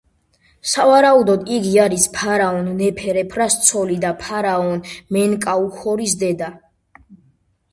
სავარაუდოდ, იგი არის ფარაონ ნეფერეფრას ცოლი და ფარაონ მენკაუჰორის დედა.